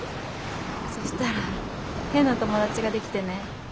そしたら変な友達が出来てね。